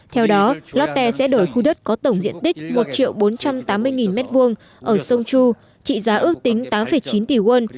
theo đó lotte sẽ đổi khu đất có tổng diện tích một bốn trăm tám mươi m hai ở sông chu trị giá ước tính tám chín tỷ won